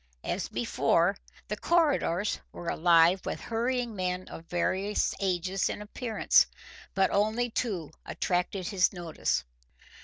As before, the corridors were alive with hurrying men of various ages and appearance, but only two attracted his notice.